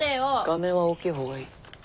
画面は大きい方がいい。